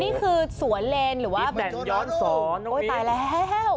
นี่คือสวนเลนหรือว่าโอ้ยตายแล้ว